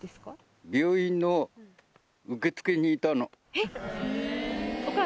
えっ！